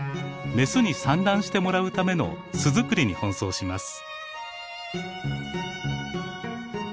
メスに産卵してもらうための巣作りに奔走します。